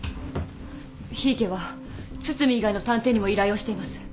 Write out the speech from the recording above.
檜池は堤以外の探偵にも依頼をしています。